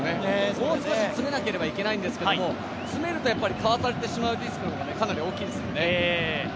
もう少し詰めなければいけないんですけど詰めるとかわされてしまうリスクがかなり大きいですよね。